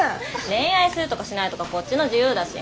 恋愛するとかしないとかこっちの自由だし。